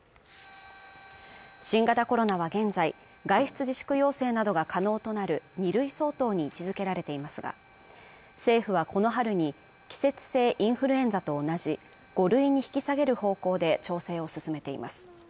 新型コロナは現在外出自粛要請などが可能となる２類相当に位置づけられていますが政府はこの春に季節性インフルエンザと同じ５類に引き下げる方向で調整を進めています